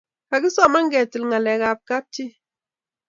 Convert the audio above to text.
Kagisoman ketil ngalekab kapchii